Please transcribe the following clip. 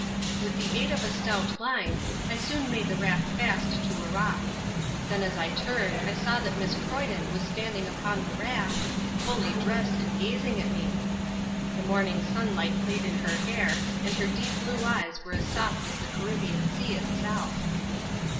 With the aid of a stout line, I soon made the raft fast to a rock. Then as I turned I saw that Miss Croyden was standing upon the raft, fully dressed, and gazing at me. The morning sunlight played in her hair, and her deep blue eyes were as soft as the Caribbean Sea itself.